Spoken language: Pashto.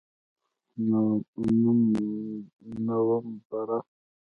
نومبره!